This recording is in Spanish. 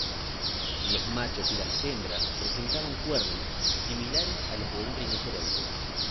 Los machos y las hembras presentaban cuernos, similares a los de un rinoceronte.